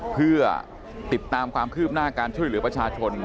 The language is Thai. เพื่อติดตามความคืบหน้าการช่วยเหลือประชาชน